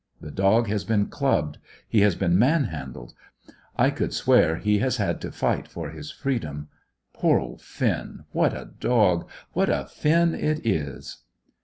The dog has been clubbed; he has been man handled; I could swear he has had to fight for his freedom. Poor old Finn! What a dog! What a Finn it is!"